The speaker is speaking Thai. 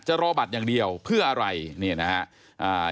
รอบัตรอย่างเดียวเพื่ออะไรเนี่ยนะฮะ